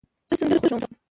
زه سندرې خوښوم.